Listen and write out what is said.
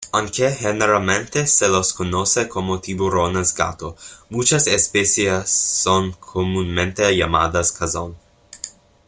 Aunque generalmente se los conoce como tiburones gato, muchas especies son comúnmente llamadas cazón.